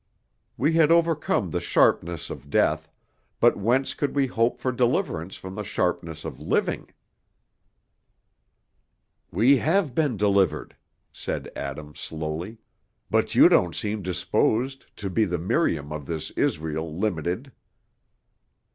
We had overcome the sharpness of death, but whence could we hope for deliverance from the sharpness of living?" "We have been delivered," said Adam, slowly, "but you don't seem disposed to be the Miriam of this Israel limited."